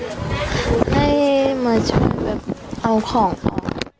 ก็ให้มาช่วยเอาของมา